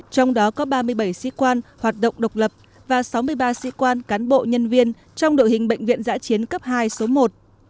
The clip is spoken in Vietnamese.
trong đó có ba mươi bảy sĩ quan hoạt động độc lập và sáu mươi ba sĩ quan cán bộ nhân viên trong đội hình bệnh viện giã chiến cấp hai số một